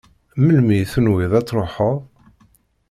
Melmi i tenwiḍ ad tṛuḥeḍ?